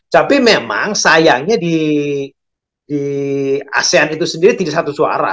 tapi memang sayangnya di asean itu sendiri tidak satu suara